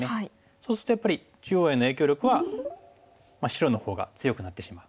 そうするとやっぱり中央への影響力は白のほうが強くなってしまう。